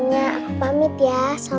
awas kabun dimana